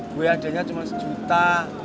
gue adanya cuma sejuta